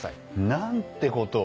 何てことを。